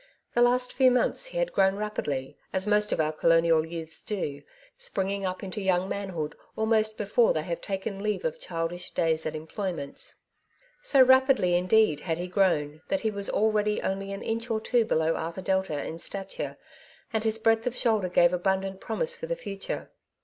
The last few months he had grown rapidly, as most of our colonial youths do, springing up into young manhood almost before they have taken leave of childish days and employments. So rapidly indeed had he grown, that he was already only an inch or two below Arthur Delta in stature, and his breadth of shoulder gave abundant promise for the future.